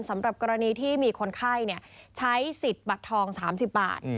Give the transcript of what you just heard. สำหรับกรณีที่มีคนไข้ใช้สิทธิ์บัตรทอง๓๐บาท